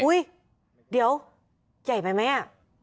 อุ้ยเดี๋ยวใหญ่ไปไหม